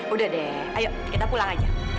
udah deh ayo kita pulang aja